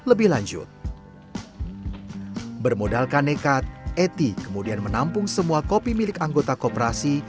lebih lanjut bermodalkan nekat eti kemudian menampung semua kopi milik anggota koperasi